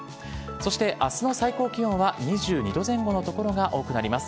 そして明日の最高気温は２２度前後の所が多くなります。